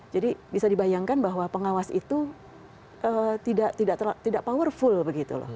jadi bisa dibayangkan bahwa pengawas itu tidak powerful begitu loh